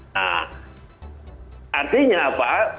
nah artinya apa